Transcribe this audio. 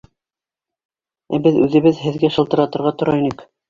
Ә беҙ үҙебеҙ һеҙгә шылтыратырға тора инек...